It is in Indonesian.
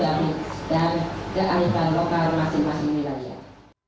corak dan motifnya tak pernah sama berdasarkan letak geografi dan kearifan lokal masing masing milenial